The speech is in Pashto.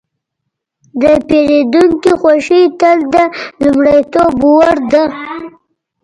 د پیرودونکي خوښي تل د لومړیتوب وړ ده.